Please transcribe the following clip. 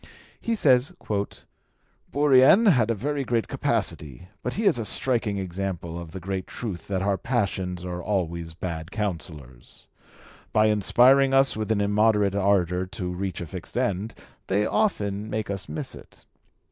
He says, "Bourrienne ... had a very great capacity, but he is a striking example of the great truth that our passions are always bad counsellors. By inspiring us with an immoderate ardour to reach a fixed end, they often make us miss it.